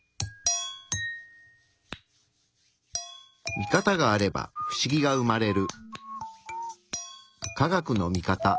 見方があれば不思議が生まれる。